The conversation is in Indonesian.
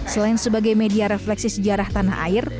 selain sebagai media refleksi sejarah tanah air